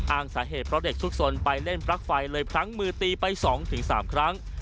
สาเหตุเพราะเด็กซุกสนไปเล่นปลั๊กไฟเลยพลั้งมือตีไป๒๓ครั้ง